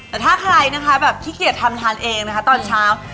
แต่ถ้าใครขี้เกียจทำทันเองตอนเช้า